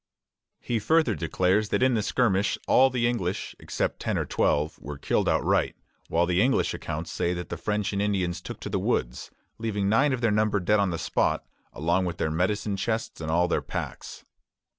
He further declares that in the skirmish all the English, except ten or twelve, were killed outright; while the English accounts say that the French and Indians took to the woods, leaving nine of their number dead on the spot, along with their medicine chest and all their packs.